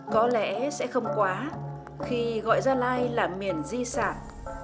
có lẽ sẽ không quá khi gọi gia lai là miền di sản